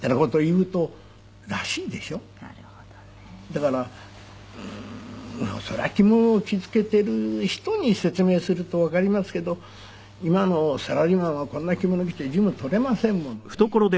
だからそりゃ着物を着付けている人に説明するとわかりますけど今のサラリーマンはこんな着物を着て事務執れませんものね。